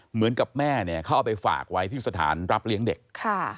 เหมือนกับแม่เนี่ยเขาเอาไปฝากไว้ที่สถานรับเลี้ยงเด็กค่ะ